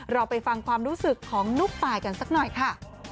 เราไปฟังความรู้สึกของนุ๊กปายกันสักหน่อยค่ะ